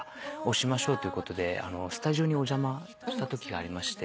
しましょうっていうことでスタジオにお邪魔したときがありまして。